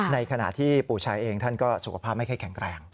ในขณะที่ปู่ชายเองท่านก็สุขภาพไม่ค่อยแข็งแรง